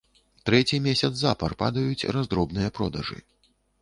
Трэці месяц запар падаюць раздробныя продажы.